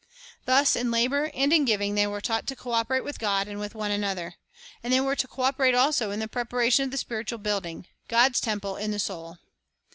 Thus in labor and in giving they were taught to co operate with God and with one another. And they were to co operate also in the preparation of the spiritual building — God's temple in the soul.